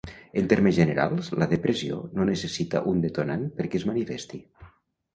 En termes generals, la depressió no necessita un detonant perquè es manifesti.